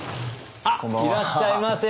あっいらっしゃいませ。